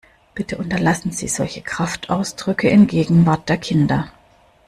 Bitte unterlassen sie solche Kraftausdrücke in Gegenwart der Kinder!